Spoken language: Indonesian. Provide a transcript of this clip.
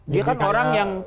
dia kan orang yang